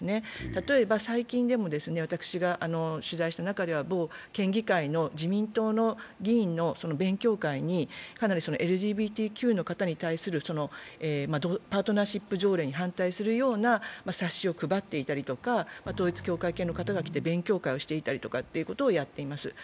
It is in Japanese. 例えば最近でも私が取材した中では某県議会の自民党の議員の勉強会にかなり、ＬＧＢＴＱの方に対するパートナーシップ条例に反対するような冊子を配っていたりとか統一教会系の方が来て勉強会をしていたりということをやっています。